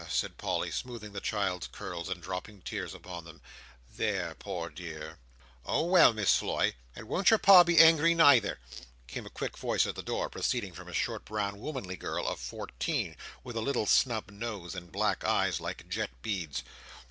said Polly, smoothing the child's curls and dropping tears upon them. "There, poor dear!" "Oh well, Miss Floy! And won't your Pa be angry neither!" cried a quick voice at the door, proceeding from a short, brown, womanly girl of fourteen, with a little snub nose, and black eyes like jet beads.